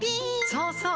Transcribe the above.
そうそう！